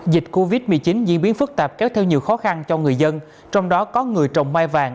dịch covid một mươi chín diễn biến phức tạp kéo theo nhiều khó khăn cho người dân trong đó có người trồng mai vàng